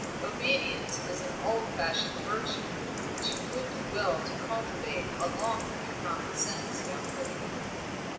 "Obedience is an old fashioned virtue, which you would do well to cultivate along with your common sense, young lady."